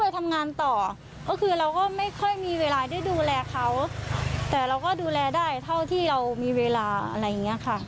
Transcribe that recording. แต่เราก็ดูแลได้เท่าที่เรามีเวลาอะไรอย่างนี้ค่ะ